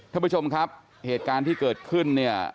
ท่านผู้ชมครับเหตุการณ์ที่เกิดขึ้นเนี่ย